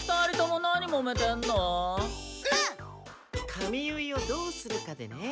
髪結いをどうするかでね。